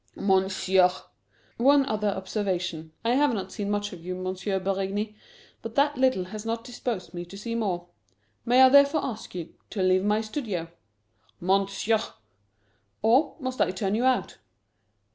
"Monsieur!" "One other observation. I have not seen much of you, M. Beringy, but that little has not disposed me to see more. May I therefore ask you to leave my studio?" "Monsieur!" "Or must I turn you out?"